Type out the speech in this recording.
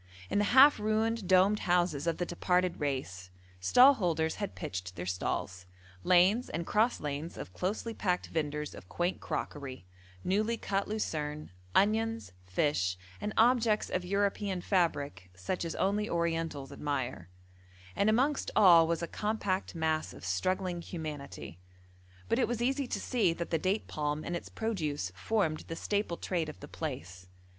In the half ruined, domed houses of the departed race, stall holders had pitched their stalls: lanes and cross lanes of closely packed vendors of quaint crockery, newly cut lucerne, onions, fish, and objects of European fabric such as only Orientals admire, and amongst all was a compact mass of struggling humanity; but it was easy to see that the date palm and its produce formed the staple trade of the place.